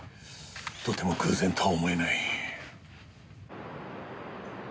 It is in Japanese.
とても偶然とは思えない。